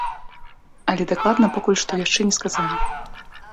Але дакладна пакуль што яшчэ не сказалі.